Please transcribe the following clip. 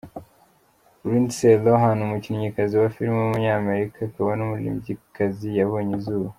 Lindsay Lohan, umukinnyikazi wa filime w’umunyamerika akaba n’umuririmbyikazi yabonye izuba.